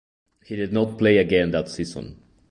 He did not play again that season.